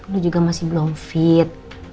dia juga masih belum fit